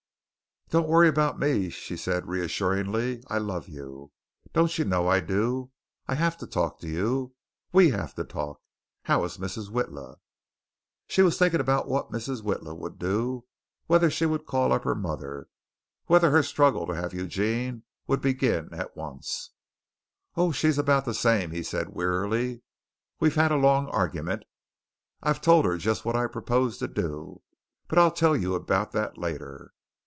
"Don't worry about me," she said reassuringly. "I love you. Don't you know I do? I have to talk to you. We have to talk. How is Mrs. Witla?" She was thinking about what Mrs. Witla would do, whether she would call up her mother, whether her struggle to have Eugene would begin at once. "Oh, she's about the same!" he said wearily. "We've had a long argument. I've told her just what I propose to do, but I'll tell you about that later."